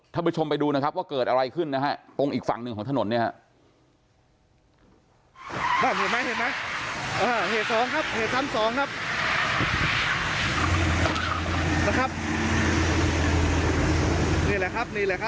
ท่านผู้ชมไปดูนะครับว่าเกิดอะไรขึ้นนะฮะตรงอีกฝั่งหนึ่งของถนนเนี่ยฮะ